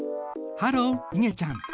ハローいげちゃん。